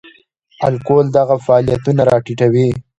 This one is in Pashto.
الکول دغه فعالیتونه را ټیټوي.